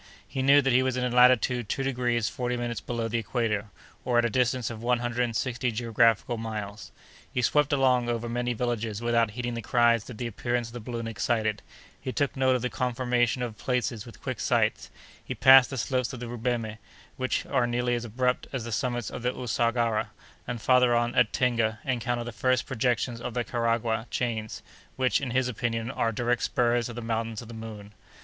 He knew that he was in latitude two degrees forty minutes below the equator, or at a distance of one hundred and sixty geographical miles. He swept along over many villages without heeding the cries that the appearance of the balloon excited; he took note of the conformation of places with quick sights; he passed the slopes of the Rubemhe, which are nearly as abrupt as the summits of the Ousagara, and, farther on, at Tenga, encountered the first projections of the Karagwah chains, which, in his opinion, are direct spurs of the Mountains of the Moon.